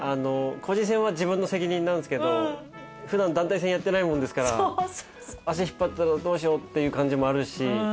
個人戦は自分の責任なんですけど普段団体戦やってないんもんですから足引っ張ったらどうしようって感じもあるし。